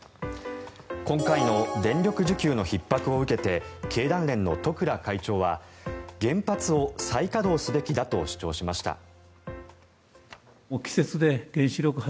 今回の電力需給のひっ迫を受けて経団連の十倉会長は原発を再稼働すべきだと主張しました。